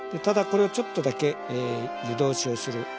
ただこれをちょっとだけ湯通しをする。